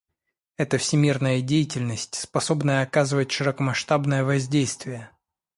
Это всемирная деятельность, способная оказывать широкомасштабное воздействие».